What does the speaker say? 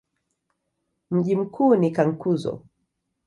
Mji mkuu ni Cankuzo.